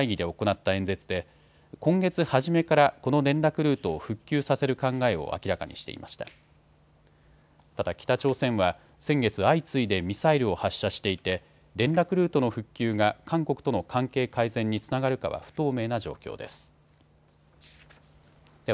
ただ北朝鮮は先月、相次いでミサイルを発射していて連絡ルートの復旧が韓国との関係改善につながるかは不透明な状況です。